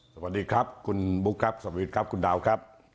สวัสดีครับคุณบุ๊คครับสวัสดีครับคุณดาวครับ